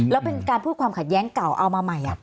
แล้วเป็นการพูดความขัดแย้งเก่าเอามาใหม่